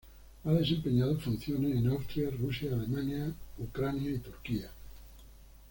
Ha desempeñado funciones en Austria, Rusia, Alemania y Ucrania y Turquía.